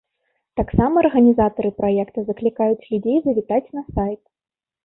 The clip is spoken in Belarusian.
Таксама арганізатары праекта заклікаюць людзей завітаць на сайт.